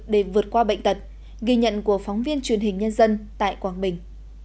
để vượt qua bệnh tật ghi nhận của phóng viên truyền hình nhân dân tại quảng bình